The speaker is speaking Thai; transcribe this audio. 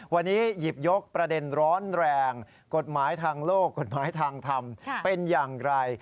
วันนี้หยิบยกประเด็นร้อนแรงกฎหมายทางโลกกฎหมายทางธรรมเป็นอย่างไร